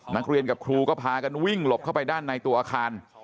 นักเรียนกับครูก็พากันวิ่งหลบเข้าไปด้านในตัวอาคาร